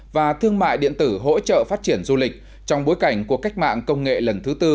và thương mại điện tử hỗ trợ phát triển du lịch trong bối cảnh cuộc cách mạng công nghệ lần thứ tư